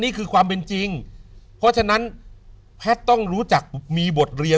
นี่คือความเป็นจริงเพราะฉะนั้นแพทย์ต้องรู้จักมีบทเรียน